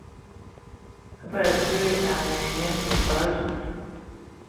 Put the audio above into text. Batsidi a ne ai nye ntumba a zud.